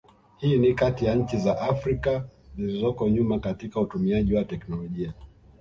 Hii ni kati ya nchi za Afrika zilizoko nyuma katika utumiaji wa teknolojia